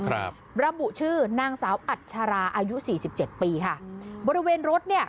ครับระบุชื่อนางสาวอัชราอายุสี่สิบเจ็ดปีค่ะบริเวณรถเนี้ย